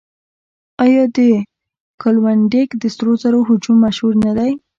آیا د کلونډیک د سرو زرو هجوم مشهور نه دی؟